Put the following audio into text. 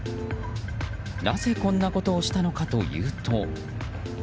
なぜこんなことをしたのかというと。